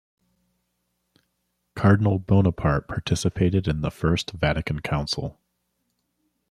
Cardinal Bonaparte participated in the First Vatican Council.